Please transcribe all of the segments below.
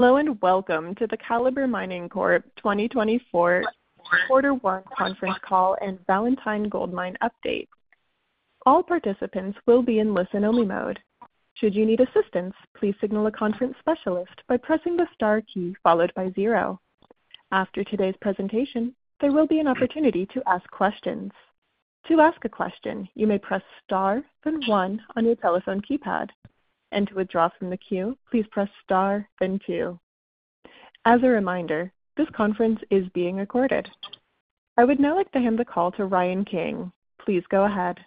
Hello, and welcome to the Calibre Mining Corp 2024 Quarter One conference call and Valentine Gold Mine update. All participants will be in listen-only mode. Should you need assistance, please signal a conference specialist by pressing the * key followed by 0. After today's presentation, there will be an opportunity to ask questions. To ask a question, you may press *, then 1 on your telephone keypad, and to withdraw from the queue, please press *, then 2. As a reminder, this conference is being recorded. I would now like to hand the call to Ryan King. Please go ahead.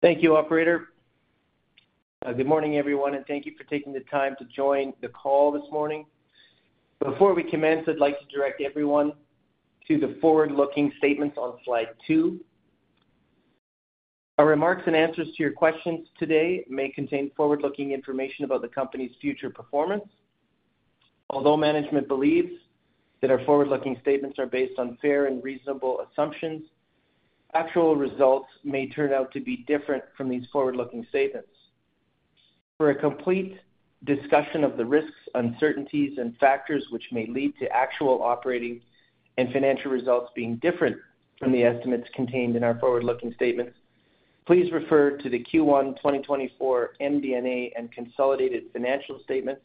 Thank you, operator. Good morning, everyone, and thank you for taking the time to join the call this morning. Before we commence, I'd like to direct everyone to the forward-looking statements on slide 2. Our remarks and answers to your questions today may contain forward-looking information about the company's future performance. Although management believes that our forward-looking statements are based on fair and reasonable assumptions, actual results may turn out to be different from these forward-looking statements. For a complete discussion of the risks, uncertainties, and factors which may lead to actual operating and financial results being different from the estimates contained in our forward-looking statements, please refer to the Q1 2024 MD&A, and consolidated financial statements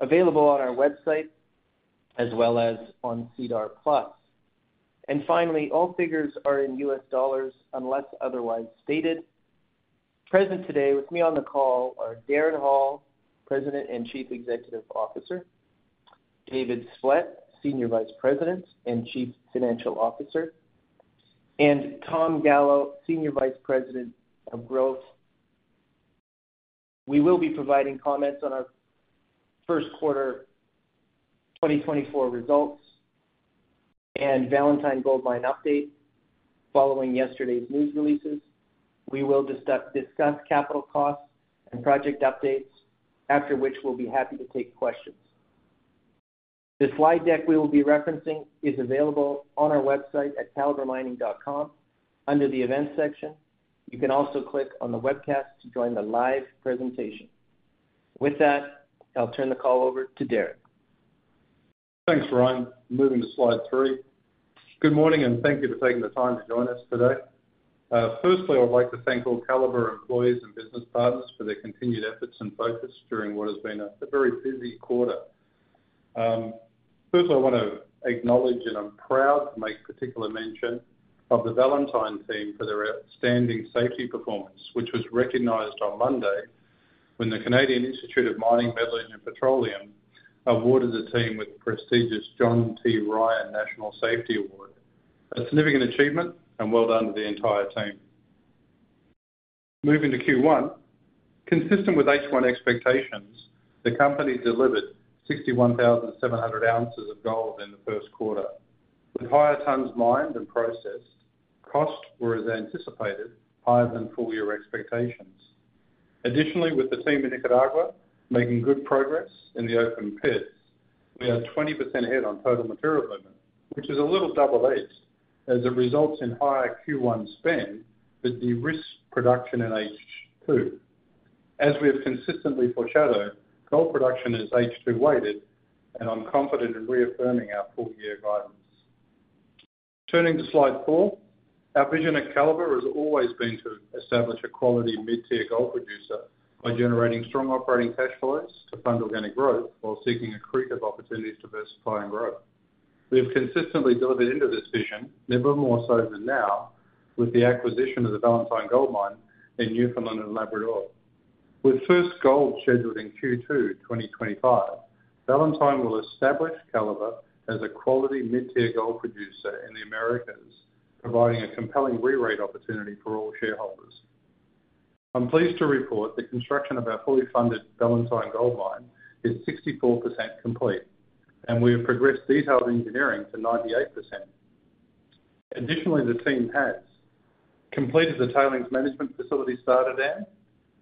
available on our website, as well as on SEDAR+. Finally, all figures are in US dollars unless otherwise stated. Present today with me on the call are Darren Hall, President and Chief Executive Officer, David Splett, Senior Vice President and Chief Financial Officer, and Tom Gallo, Senior Vice President of Growth. We will be providing comments on our first quarter 2024 results and Valentine Gold Mine update. Following yesterday's news releases, we will discuss capital costs and project updates, after which we'll be happy to take questions. The slide deck we will be referencing is available on our website at calibremining.com, under the Events section. You can also click on the webcast to join the live presentation. With that, I'll turn the call over to Darren. Thanks, Ryan. Moving to slide 3. Good morning, and thank you for taking the time to join us today. Firstly, I'd like to thank all Calibre employees and business partners for their continued efforts and focus during what has been a very busy quarter. First, I want to acknowledge, and I'm proud to make particular mention of the Valentine team for their outstanding safety performance, which was recognized on Monday when the Canadian Institute of Mining, Metals, and Petroleum awarded the team with the prestigious John T. Ryan National Safety Award. A significant achievement, and well done to the entire team. Moving to Q1. Consistent with H1 expectations, the company delivered 61,700 ounces of gold in the first quarter. With higher tons mined and processed, costs were, as anticipated, higher than full year expectations. Additionally, with the team in Nicaragua making good progress in the open pits, we are 20% ahead on total material movement, which is a little double-edged, as it results in higher Q1 spend, but de-risks production in H2. As we have consistently foreshadowed, gold production is H2 weighted, and I'm confident in reaffirming our full year guidance. Turning to slide 4. Our vision at Calibre has always been to establish a quality mid-tier gold producer by generating strong operating cash flows to fund organic growth while seeking accretive opportunities to diversify and grow. We've consistently delivered into this vision, never more so than now, with the acquisition of the Valentine Gold Mine in Newfoundland and Labrador. With first gold scheduled in Q2 2025, Valentine will establish Calibre as a quality mid-tier gold producer in the Americas, providing a compelling rerate opportunity for all shareholders. I'm pleased to report the construction of our fully funded Valentine Gold Mine is 64% complete, and we have progressed detailed engineering to 98%. Additionally, the team has completed the tailings management facility starter dam,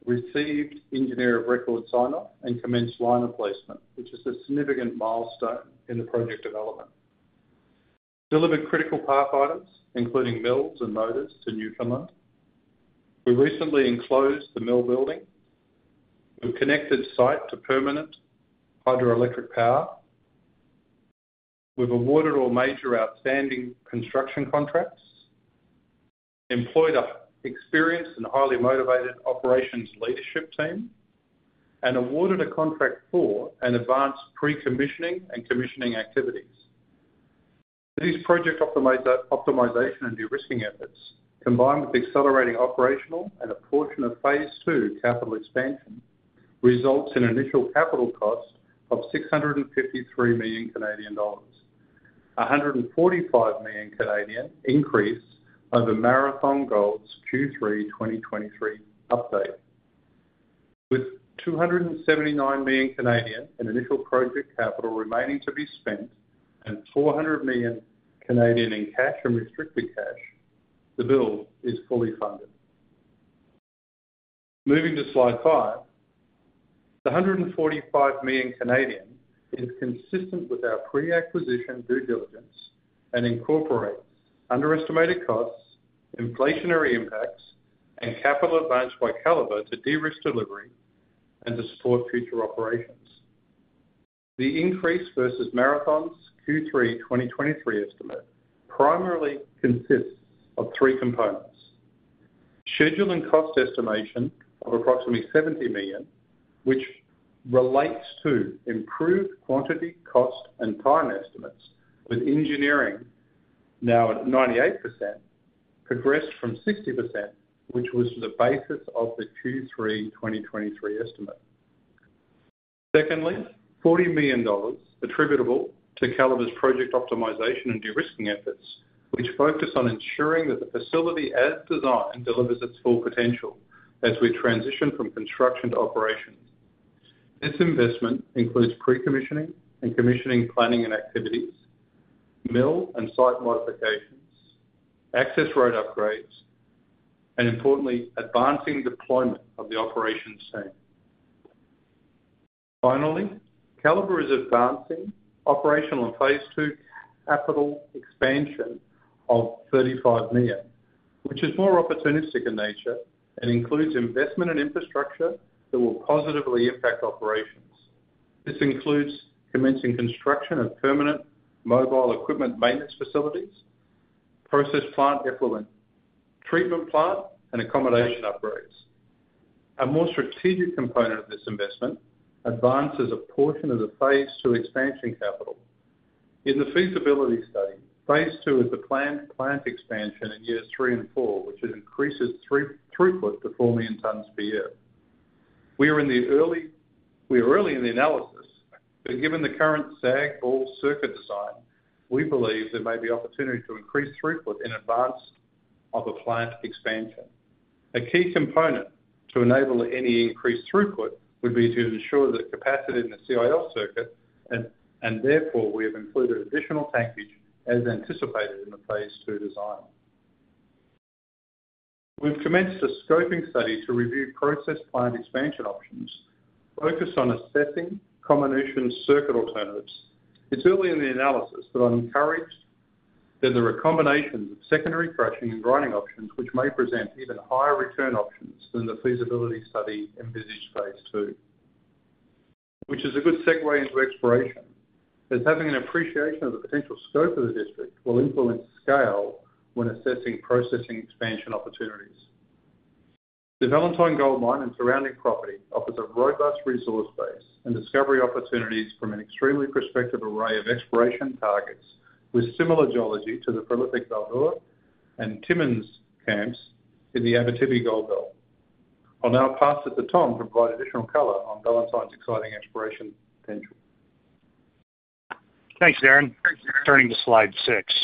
received engineer of record sign-off, and commenced liner placement, which is a significant milestone in the project development. Delivered critical path items, including mills and motors to Newfoundland. We recently enclosed the mill building. We've connected site to permanent hydroelectric power. We've awarded all major outstanding construction contracts, employed an experienced and highly motivated operations leadership team, and awarded a contract for an advanced pre-commissioning and commissioning activities. These project optimization and de-risking efforts, combined with accelerating operational and a portion of phase two capital expansion, results in initial capital costs of 653 million Canadian dollars. 145 million increase over Marathon Gold's Q3 2023 update. With 279 million in initial project capital remaining to be spent and 400 million in cash and restricted cash, the build is fully funded. Moving to slide 5, the 145 million is consistent with our pre-acquisition due diligence... and incorporate underestimated costs, inflationary impacts, and capital advanced by Calibre to de-risk delivery and to support future operations. The increase versus Marathon's Q3 2023 estimate primarily consists of three components: schedule and cost estimation of approximately 70 million, which relates to improved quantity, cost, and time estimates, with engineering now at 98%, progressed from 60%, which was the basis of the Q3 2023 estimate. Secondly, $40 million attributable to Calibre's project optimization and de-risking efforts, which focus on ensuring that the facility, as designed, delivers its full potential as we transition from construction to operations. This investment includes pre-commissioning and commissioning, planning and activities, mill and site modifications, access road upgrades, and importantly, advancing deployment of the operations team. Finally, Calibre is advancing operational phase II capital expansion of $35 million, which is more opportunistic in nature and includes investment in infrastructure that will positively impact operations. This includes commencing construction of permanent mobile equipment maintenance facilities, process plant effluent, treatment plant, and accommodation upgrades. A more strategic component of this investment advances a portion of the phase two expansion capital. In the feasibility study, phase two is the planned plant expansion in years 3 and 4, which increases 3- throughput to 4 million tons per year. We are early in the analysis, but given the current SAG ball circuit design, we believe there may be opportunity to increase throughput in advance of a plant expansion. A key component to enable any increased throughput would be to ensure that capacity in the CIL circuit, and therefore, we have included additional tankage as anticipated in the phase two design. We've commenced a scoping study to review process plant expansion options, focused on assessing combination circuit alternatives. It's early in the analysis, but I'm encouraged that there are combinations of secondary crushing and grinding options, which may present even higher return options than the feasibility study envisaged phase two. Which is a good segue into exploration, as having an appreciation of the potential scope of the district will influence scale when assessing processing expansion opportunities. The Valentine Gold Mine and surrounding property offers a robust resource base and discovery opportunities from an extremely prospective array of exploration targets, with similar geology to the prolific Val d'Or and Timmins camps in the Abitibi Gold Belt. I'll now pass it to Tom to provide additional color on Valentine's exciting exploration potential. Thanks, Darren. Turning to slide 6.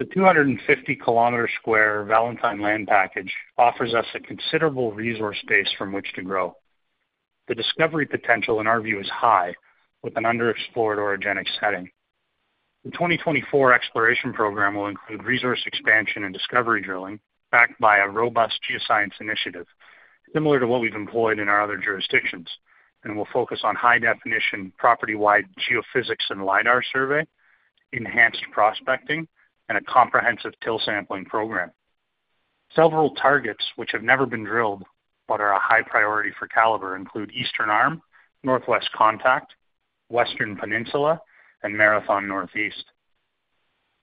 The 250 square kilometer Valentine land package offers us a considerable resource base from which to grow. The discovery potential, in our view, is high, with an underexplored orogenic setting. The 2024 exploration program will include resource expansion and discovery drilling, backed by a robust geoscience initiative, similar to what we've employed in our other jurisdictions, and will focus on high-definition, property-wide geophysics and LiDAR survey, enhanced prospecting, and a comprehensive till sampling program. Several targets, which have never been drilled but are a high priority for Calibre, include Eastern Arm, Northwest Contact, Western Peninsula, and Marathon Northeast.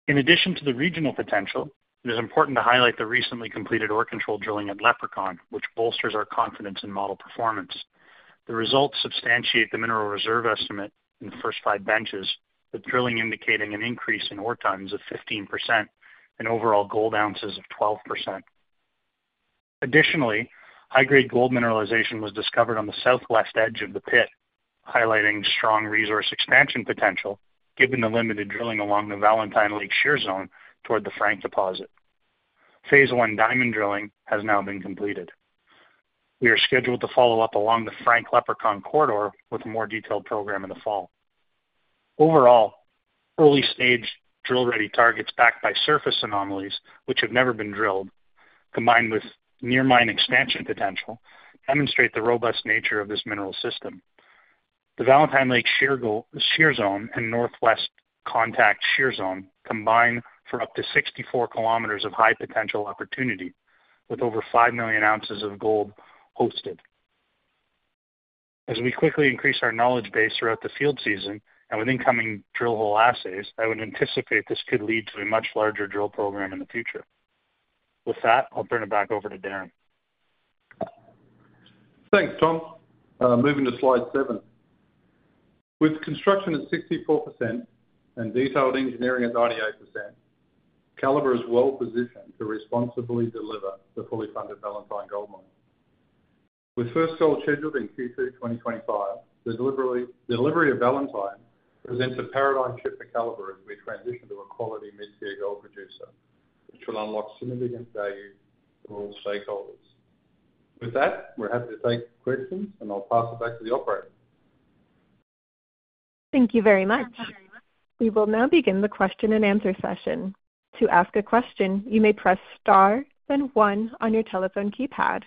In addition to the regional potential, it is important to highlight the recently completed ore control drilling at Leprechaun, which bolsters our confidence in model performance. The results substantiate the mineral reserve estimate in the first five benches, with drilling indicating an increase in ore tons of 15% and overall gold ounces of 12%. Additionally, high-grade gold mineralization was discovered on the southwest edge of the pit, highlighting strong resource expansion potential, given the limited drilling along the Valentine Lake Shear Zone toward the Frank Deposit. Phase 1 diamond drilling has now been completed. We are scheduled to follow up along the Frank-Leprechaun Corridor with a more detailed program in the fall. Overall, early-stage, drill-ready targets backed by surface anomalies which have never been drilled, combined with near mine expansion potential, demonstrate the robust nature of this mineral system. The Valentine Lake Shear Zone and Northwest Contact Shear Zone combine for up to 64 kilometers of high-potential opportunity, with over 5 million ounces of gold hosted. As we quickly increase our knowledge base throughout the field season and with incoming drill hole assays, I would anticipate this could lead to a much larger drill program in the future. With that, I'll turn it back over to Darren. Thanks, Tom. Moving to slide 7. With construction at 64% and detailed engineering at 98%, Calibre is well positioned to responsibly deliver the fully funded Valentine Gold Mine. With first gold scheduled in Q2 2025, the delivery, delivery of Valentine presents a paradigm shift for Calibre as we transition to a quality mid-tier gold producer, which will unlock significant value for all stakeholders. With that, we're happy to take questions, and I'll pass it back to the operator. Thank you very much. We will now begin the question-and-answer session. To ask a question, you may press star, then one on your telephone keypad.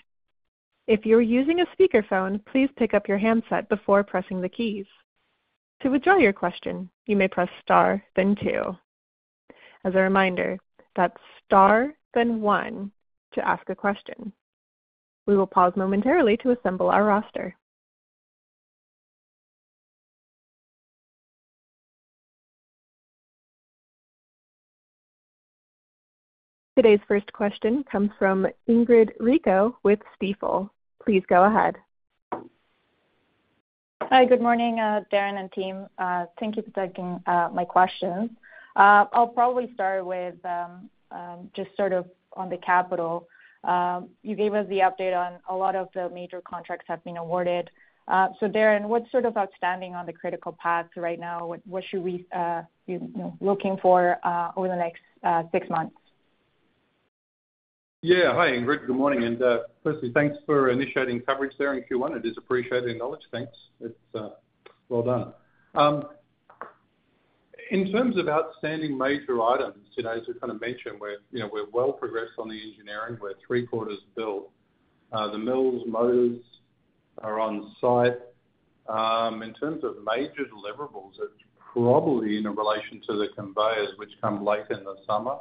If you're using a speakerphone, please pick up your handset before pressing the keys. To withdraw your question, you may press star, then two. As a reminder, that's star, then one, to ask a question. We will pause momentarily to assemble our roster. Today's first question comes from Ingrid Rico with Stifel. Please go ahead. Hi, good morning, Darren and team. Thank you for taking my question. I'll probably start with just sort of on the capital. You gave us the update on a lot of the major contracts have been awarded. So Darren, what's sort of outstanding on the critical path right now? What should we, you know, looking for over the next six months? Yeah. Hi, Ingrid, good morning. And, firstly, thanks for initiating coverage there in Q1. It is appreciated and acknowledged. Thanks. It's, well done. In terms of outstanding major items, you know, as we kind of mentioned, we're, you know, we're well progressed on the engineering. We're three-quarters built. The mills, motors are on site. In terms of major deliverables, it's probably in relation to the conveyors, which come late in the summer.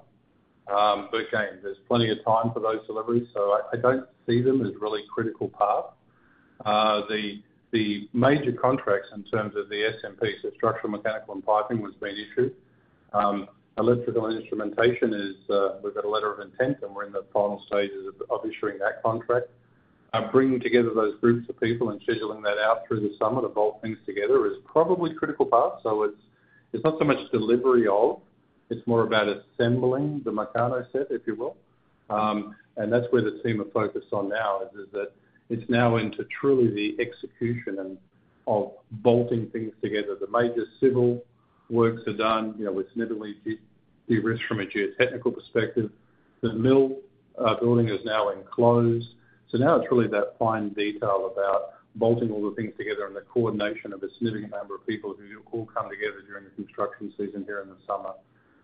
But again, there's plenty of time for those deliveries, so I, I don't see them as really critical path. The, the major contracts in terms of the SMP, so structural, mechanical, and piping, was being issued. Electrical and instrumentation is, we've got a letter of intent, and we're in the final stages of, of issuing that contract. Bringing together those groups of people and scheduling that out through the summer to bolt things together is probably critical path. So it's, it's not so much delivery of, it's more about assembling the Meccano set, if you will. And that's where the team are focused on now, is, is that it's now into truly the execution and of bolting things together. The major civil works are done. You know, it's never easy, de-risked from a geotechnical perspective. The mill building is now enclosed. So now it's really that fine detail about bolting all the things together and the coordination of a significant number of people who all come together during the construction season here in the summer.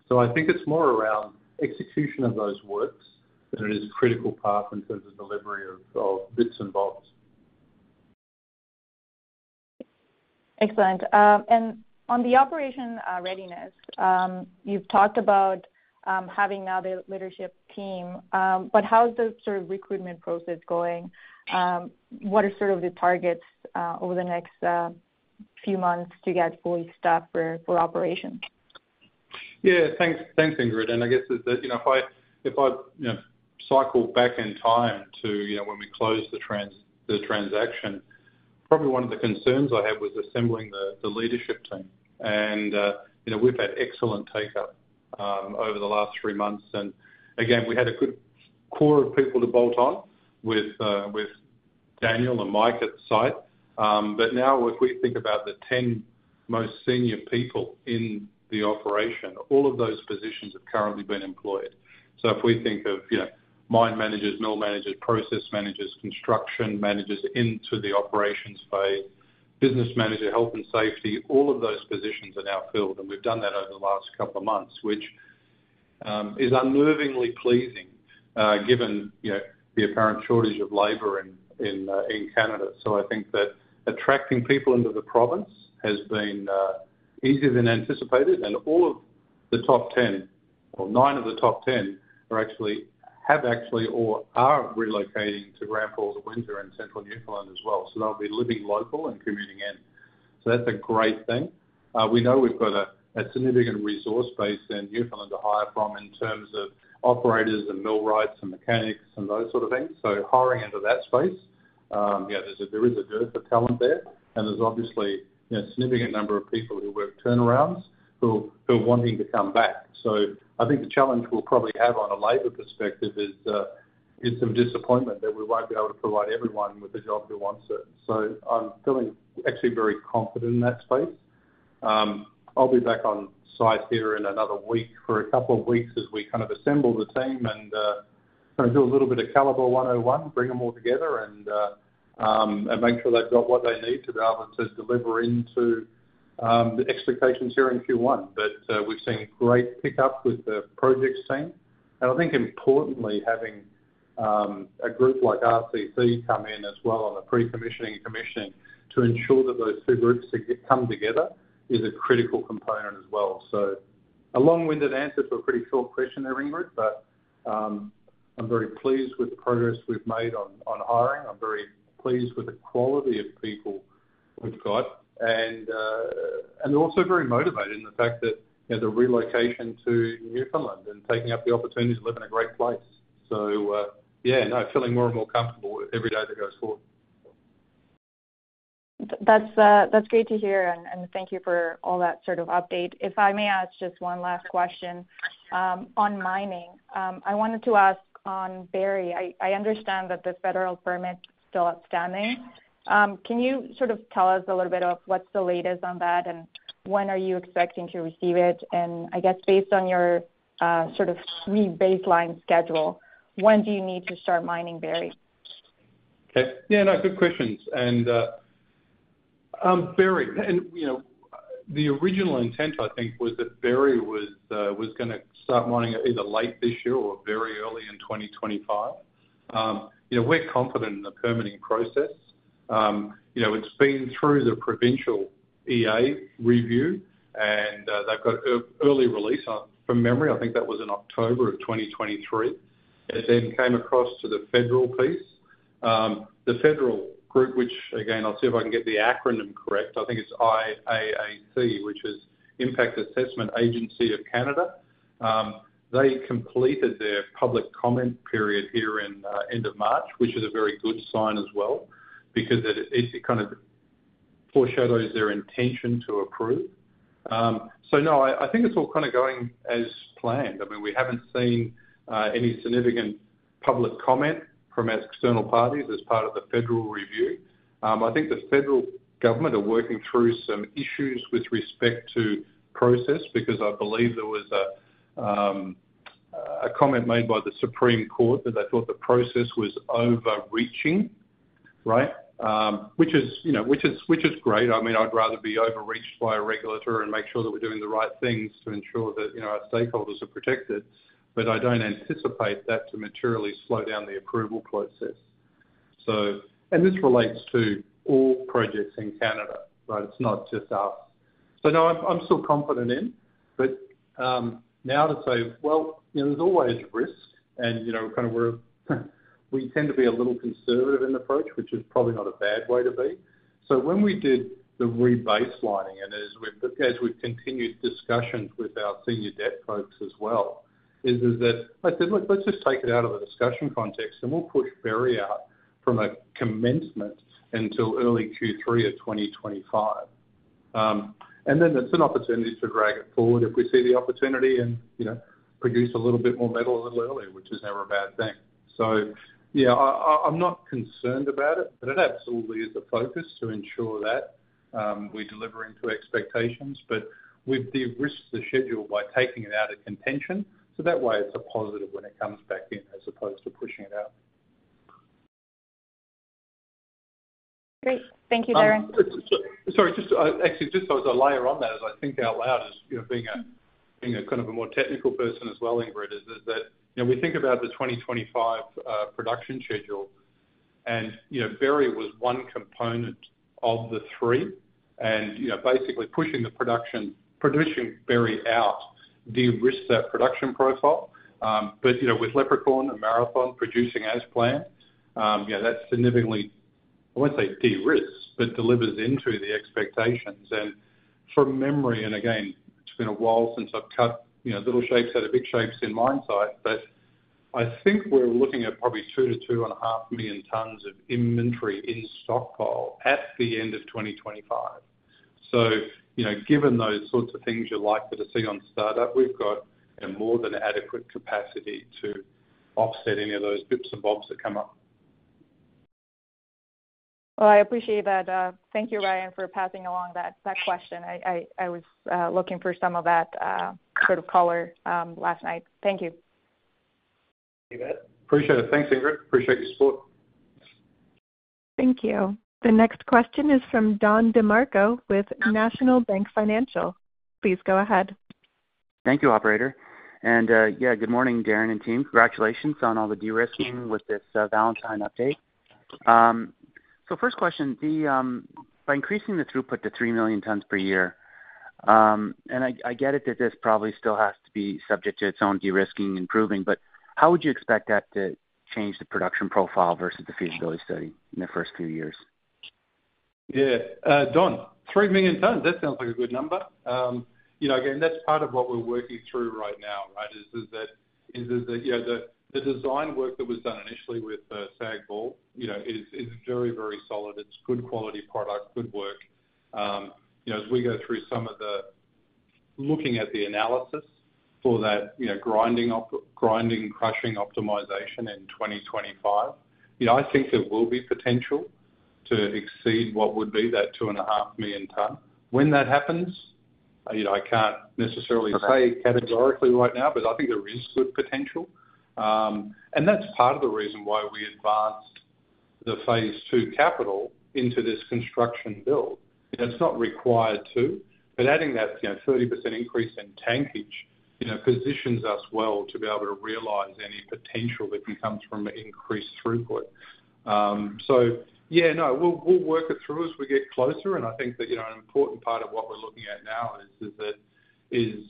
So I think it's more around execution of those works than it is a critical path in terms of delivery of, of bits and bobs. Excellent. And on the operation readiness, you've talked about having now the leadership team. But how is the sort of recruitment process going? What are sort of the targets over the next few months to get fully staffed for operation? Yeah, thanks. Thanks, Ingrid. And I guess that, you know, if I, you know, cycle back in time to, you know, when we closed the transaction, probably one of the concerns I had was assembling the leadership team. And, you know, we've had excellent take up over the last three months. And again, we had a good core of people to bolt on with Daniel and Mike at the site. But now if we think about the 10 most senior people in the operation, all of those positions have currently been employed. So if we think of, you know, mine managers, mill managers, process managers, construction managers into the operations phase, business manager, health and safety, all of those positions are now filled. We've done that over the last couple of months, which is unnervingly pleasing, given, you know, the apparent shortage of labor in Canada. So I think that attracting people into the province has been easier than anticipated, and all of the top 10, or nine of the top 10, have actually or are relocating to Grand Falls-Windsor and central Newfoundland as well. So they'll be living local and commuting in. So that's a great thing. We know we've got a significant resource base in Newfoundland to hire from in terms of operators and millwrights and mechanics and those sort of things. So hiring into that space, yeah, there's a dearth of talent there, and there's obviously a significant number of people who work turnarounds, who are wanting to come back. So I think the challenge we'll probably have on a labor perspective is some disappointment that we won't be able to provide everyone with a job who wants it. So I'm feeling actually very confident in that space. I'll be back on site here in another week for a couple of weeks as we kind of assemble the team and kind of do a little bit of Calibre 101, bring them all together, and make sure they've got what they need to be able to deliver into the expectations here in Q1. But we've seen great pickup with the project team. And I think importantly, having a group like RCC come in as well on the pre-commissioning and commissioning to ensure that those two groups come together, is a critical component as well. So a long-winded answer to a pretty short question there, Ingrid, but I'm very pleased with the progress we've made on hiring. I'm very pleased with the quality of people we've got, and also very motivated in the fact that, you know, the relocation to Newfoundland and taking up the opportunity to live in a great place. So, yeah, no, feeling more and more comfortable every day that goes forward. That's great to hear, and thank you for all that sort of update. If I may ask just one last question on mining. I wanted to ask on Berry. I understand that the federal permit is still outstanding. Can you sort of tell us a little bit of what's the latest on that, and when are you expecting to receive it? And I guess based on your sort of new baseline schedule, when do you need to start mining Berry? Okay. Yeah, no, good questions. Berry. You know, the original intent, I think, was that Berry was gonna start mining either late this year or very early in 2025. You know, we're confident in the permitting process. You know, it's been through the provincial EA review, and they've got early release. From memory, I think that was in October of 2023. It then came across to the federal piece. The federal group, which, again, I'll see if I can get the acronym correct, I think it's IAAC, which is Impact Assessment Agency of Canada. They completed their public comment period here in end of March, which is a very good sign as well, because it kind of foreshadows their intention to approve. So no, I, I think it's all kind of going as planned. I mean, we haven't seen any significant public comment from our external parties as part of the federal review. I think the federal government are working through some issues with respect to process, because I believe there was a comment made by the Supreme Court that they thought the process was overreaching, right? Which is, you know, which is great. I mean, I'd rather be overreached by a regulator and make sure that we're doing the right things to ensure that, you know, our stakeholders are protected. But I don't anticipate that to materially slow down the approval process. This relates to all projects in Canada, right? It's not just us. So no, I'm, I'm still confident in. But now to say, well, you know, there's always risk, and, you know, kind of we're, we tend to be a little conservative in approach, which is probably not a bad way to be. So when we did the rebaselining, and as we've continued discussions with our senior debt folks as well, is that I said, "Look, let's just take it out of a discussion context, and we'll push Berry out from a commencement until early Q3 of 2025." And then it's an opportunity to drag it forward if we see the opportunity and, you know, produce a little bit more metal a little early, which is never a bad thing. So, yeah, I'm not concerned about it, but it absolutely is a focus to ensure that we're delivering to expectations. We've de-risked the schedule by taking it out of contention, so that way it's a positive when it comes back in, as opposed to pushing it out. Great. Thank you, Darren. Sorry, just, actually, just so as I layer on that, as I think out loud, as you know, being a kind of a more technical person as well, Ingrid, is that, you know, we think about the 2025 production schedule, and, you know, Berry was one component of the three. And, you know, basically pushing the production, producing Berry out, de-risks that production profile. But, you know, with Leprechaun and Marathon producing as planned, you know, that's significantly, I won't say de-risks, but delivers into the expectations. And from memory, and again, it's been a while since I've cut, you know, little shapes out of big shapes in mine site, but I think we're looking at probably 2-2.5 million tons of inventory in stockpile at the end of 2025. You know, given those sorts of things you'd like to see on startup, we've got a more than adequate capacity to offset any of those bits and bobs that come up. Well, I appreciate that. Thank you, Ryan, for passing along that question. I was looking for some of that sort of color last night. Thank you. You bet. Appreciate it. Thanks, Ingrid. Appreciate your support. Thank you. The next question is from Don DeMarco with National Bank Financial. Please go ahead. Thank you, operator. And, yeah, good morning, Darren and team. Congratulations on all the de-risking with this, Valentine update. So first question, by increasing the throughput to 3 million tons per year, and I get it that this probably still has to be subject to its own de-risking and improving, but how would you expect that to change the production profile versus the feasibility study in the first few years? Yeah. Don, 3 million tons, that sounds like a good number. You know, again, that's part of what we're working through right now, right? Is that, you know, the design work that was done initially with SAG mill, you know, is very, very solid. It's good quality product, good work. You know, as we go through some of the looking at the analysis for that, you know, grinding, crushing optimization in 2025, you know, I think there will be potential to exceed what would be that 2.5 million tons. When that happens, you know, I can't necessarily say categorically right now, but I think there is good potential. And that's part of the reason why we advanced the phase two capital into this construction build. It's not required to, but adding that, you know, 30% increase in tankage, you know, positions us well to be able to realize any potential that comes from increased throughput. So yeah, no, we'll work it through as we get closer, and I think that, you know, an important part of what we're looking at now is that, you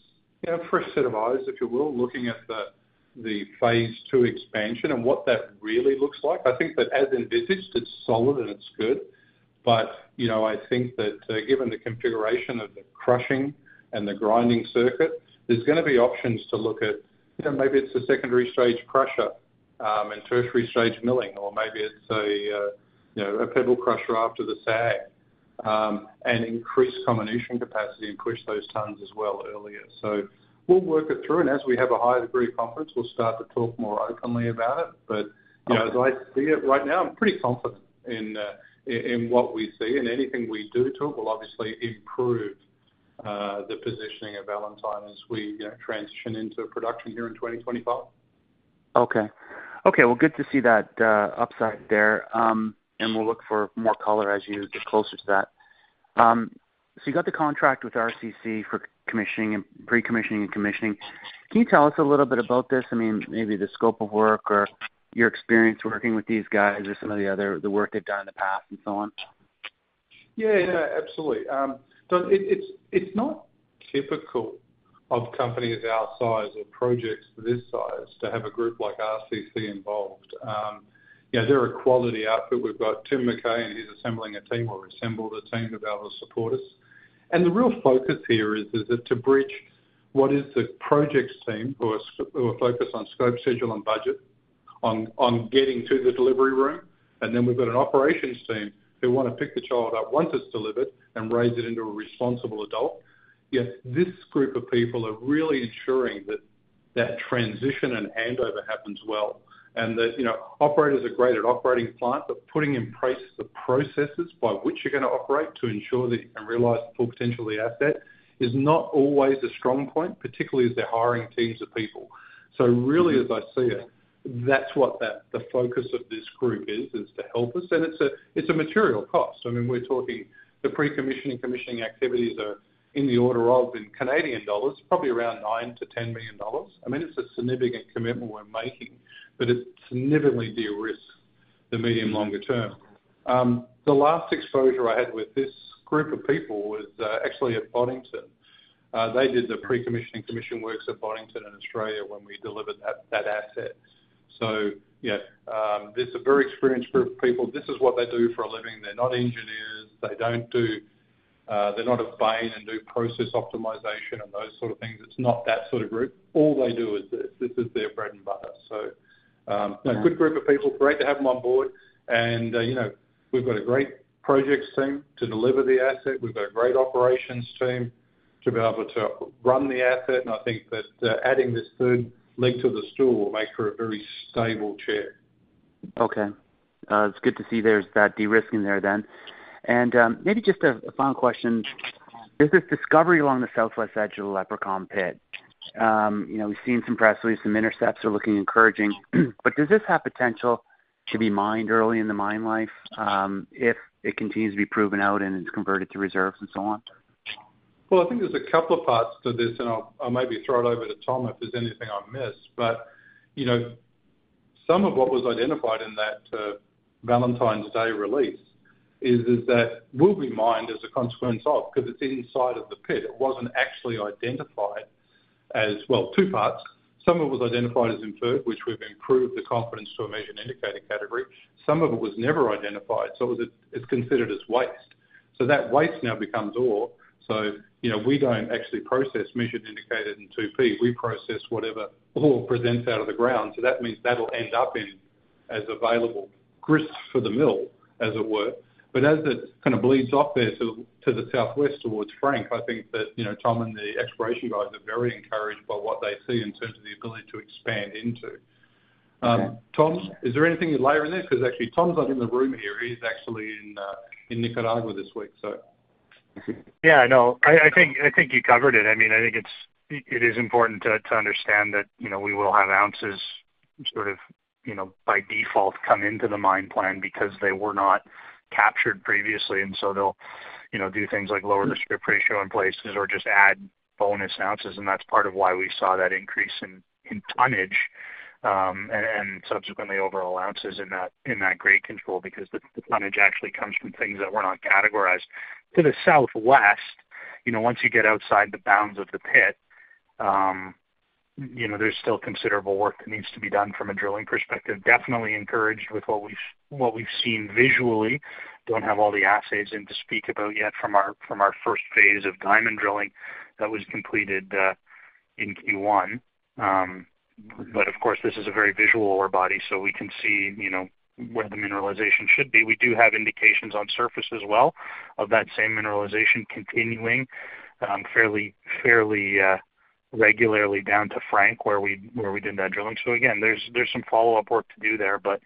know, a fresh set of eyes, if you will, looking at the phase two expansion and what that really looks like. I think that as envisaged, it's solid and it's good, but, you know, I think that, given the configuration of the crushing and the grinding circuit, there's gonna be options to look at. You know, maybe it's a secondary stage crusher, and tertiary stage milling, or maybe it's a, you know, a pebble crusher after the SAG, and increased combination capacity and push those tons as well earlier. So we'll work it through, and as we have a higher degree of confidence, we'll start to talk more openly about it. But, you know, like, yeah, right now, I'm pretty confident in in what we see, and anything we do to it will obviously improve, the positioning of Valentine as we, you know, transition into production here in 2025. Okay. Okay, well, good to see that upside there. And we'll look for more color as you get closer to that. So you got the contract with RCC for commissioning and pre-commissioning and commissioning. Can you tell us a little bit about this? I mean, maybe the scope of work or your experience working with these guys or some of the other, the work they've done in the past and so on? Yeah, yeah, absolutely. So it's not typical of companies our size or projects this size to have a group like RCC involved. Yeah, they're a quality outfit. We've got Tim MacKay, and he's assembling a team or assembled a team to be able to support us. And the real focus here is that to bridge what is the projects team, who are focused on scope, schedule, and budget, on getting to the delivery room. And then we've got an operations team who want to pick the child up once it's delivered and raise it into a responsible adult. Yet, this group of people are really ensuring that that transition and handover happens well, and that, you know, operators are great at operating a plant, but putting in place the processes by which you're gonna operate to ensure that you can realize the full potential of the asset is not always a strong point, particularly as they're hiring teams of people. So really, as I see it, that's what the focus of this group is, is to help us. And it's a material cost. I mean, we're talking the pre-commissioning, commissioning activities are in the order of, in Canadian dollars, probably around 9-10 million dollars. I mean, it's a significant commitment we're making, but it's significantly de-risk the medium, longer term. The last exposure I had with this group of people was actually at Boddington. They did the pre-commissioning, commissioning works at Boddington in Australia when we delivered that, that asset. So yeah, this is a very experienced group of people. This is what they do for a living. They're not engineers. They don't do, they're not at Bain and do process optimization and those sort of things. It's not that sort of group. All they do is this. This is their bread and butter. So, a good group of people. Great to have them on board, and, you know, we've got a great projects team to deliver the asset. We've got a great operations team to be able to run the asset, and I think that, adding this third leg to the stool will make for a very stable chair. Okay. It's good to see there's that de-risking there then. And, maybe just a final question. There's this discovery along the southwest edge of the Leprechaun pit. You know, we've seen some press release, some intercepts are looking encouraging, but does this have potential to be mined early in the mine life, if it continues to be proven out and it's converted to reserves and so on? Well, I think there's a couple of parts to this, and I'll maybe throw it over to Tom if there's anything I've missed. But, you know, some of what was identified in that Valentine's Day release is that will be mined as a consequence of, because it's inside of the pit. It wasn't actually identified as... Well, two parts. Some of it was identified as inferred, which we've improved the confidence to a measured and indicated category. Some of it was never identified, so it was, it's considered as waste. So that waste now becomes ore. So, you know, we don't actually process measured, indicated, and 2P. We process whatever ore presents out of the ground, so that means that'll end up in as available grist for the mill, as it were. But as it kind of bleeds off there to the southwest towards Frank, I think that, you know, Tom and the exploration guys are very encouraged by what they see in terms of the ability to expand into. Tom, is there anything you'd layer in there? Because actually, Tom's not in the room here. He's actually in Nicaragua this week, so. Yeah, I know. I think you covered it. I mean, I think it is important to understand that, you know, we will have ounces sort of, you know, by default, come into the mine plan because they were not captured previously, and so they'll, you know, do things like lower the strip ratio in places or just add bonus ounces, and that's part of why we saw that increase in tonnage and subsequently overall ounces in that grade control, because the tonnage actually comes from things that were not categorized. To the southwest, you know, once you get outside the bounds of the pit, you know, there's still considerable work that needs to be done from a drilling perspective. Definitely encouraged with what we've seen visually. Don't have all the assays in to speak about yet from our first phase of diamond drilling that was completed in Q1. But of course, this is a very visual ore body, so we can see, you know, where the mineralization should be. We do have indications on surface as well of that same mineralization continuing fairly regularly down to Frank, where we did that drilling. So again, there's some follow-up work to do there, but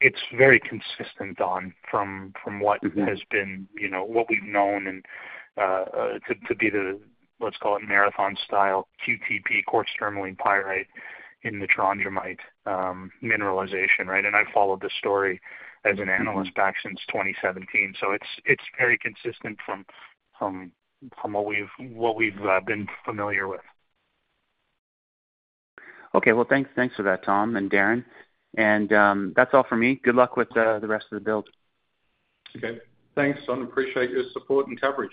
it's very consistent, Don, from what- Mm-hmm... has been, you know, what we've known and to be the, let's call it, marathon-style QTP, quartz-tourmaline-pyrite, in the trondhjemite mineralization, right? And I followed this story as an analyst back since 2017, so it's very consistent from what we've been familiar with. Okay. Well, thanks, thanks for that, Tom and Darren, and that's all for me. Good luck with the rest of the build. Okay. Thanks, Don. Appreciate your support and coverage.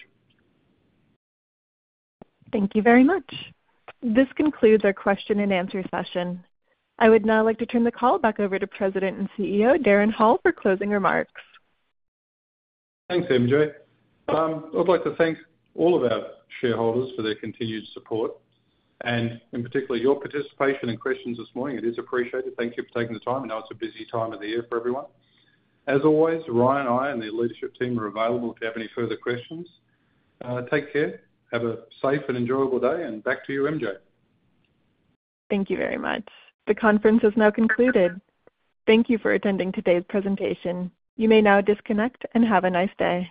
Thank you very much. This concludes our question and answer session. I would now like to turn the call back over to President and CEO, Darren Hall, for closing remarks. Thanks, MJ. I'd like to thank all of our shareholders for their continued support, and in particular, your participation and questions this morning. It is appreciated. Thank you for taking the time. I know it's a busy time of the year for everyone. As always, Ryan, I and the leadership team are available to have any further questions. Take care, have a safe and enjoyable day, and back to you, MJ. Thank you very much. The conference is now concluded. Thank you for attending today's presentation. You may now disconnect and have a nice day.